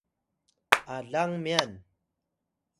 alang myan